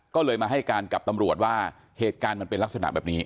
ก็เลยมาให้การกับตำรวจว่าเหตุการณ์มันเป็นลักษณะแบบนี้